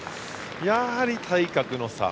やはり体格の差。